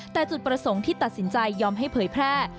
แต่จุดประสงค์ที่ตัดสินใจยอมให้เผยแพร่